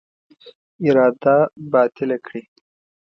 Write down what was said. اراده باطله کړي.